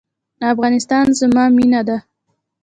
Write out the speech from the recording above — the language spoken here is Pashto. افغانستان زما مینه ده